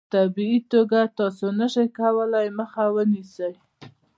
په طبیعي توګه تاسو نشئ کولای مخه ونیسئ.